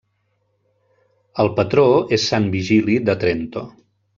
El patró és San Vigili de Trento.